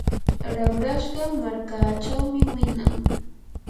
ramrashqa markaachawmi winan.